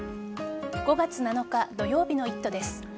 ５月７日土曜日の「イット！」です。